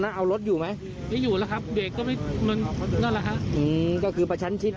แต่เราไม่ได้ตั้งใจนะ